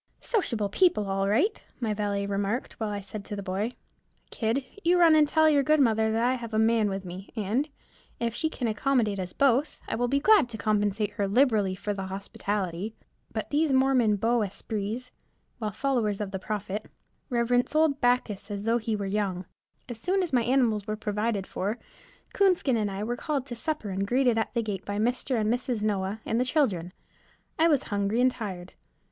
"Sociable people all right," my valet remarked, while I said to the boy, "Kid, you run and tell your good mother that I have a man with me, and, if she can accommodate us both, I will be glad to compensate her liberally for the hospitality." But these Mormon beaux esprits, while followers of the Prophet, reverence old Bacchus as though he were Young. As soon as my animals were provided for, Coonskin and I were called to supper and greeted at the gate by Mr. and Mrs. Noah and the children. I was hungry and tired.